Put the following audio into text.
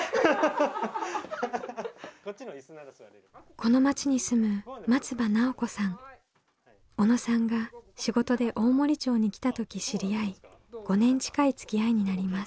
この町に住む小野さんが仕事で大森町に来た時知り合い５年近いつきあいになります。